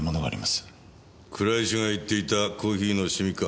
倉石が言っていたコーヒーのシミか？